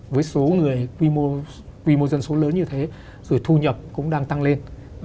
với số người quy mô dân số lớn như thế rồi thu nhập cũng đang tăng lên